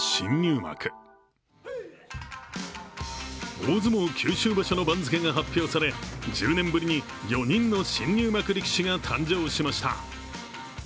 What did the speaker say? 大相撲九州場所の番付が発表され、１０年ぶりに４人の新入幕力士が誕生しました。